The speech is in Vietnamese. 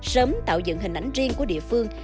sớm tạo dựng hình ảnh riêng của địa phương